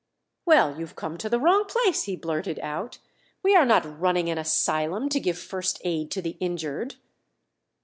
"Well, you've come to the wrong place," he blurted out. "_We are not running an asylum to give first aid to the injured!